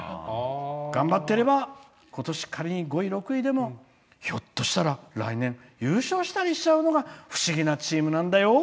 頑張ってれば仮に今年５位６位でもひょっとしたら来年、優勝しちゃうのが不思議なチームなんだよ。